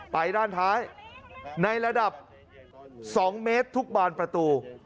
ไปด้านท้ายในระดับ๒เมตรทุกบานประตู